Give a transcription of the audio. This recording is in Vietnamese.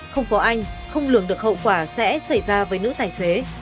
không có anh không lường được hậu quả sẽ xảy ra với nữ tài xế